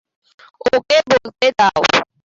ওকে বলতে দাও।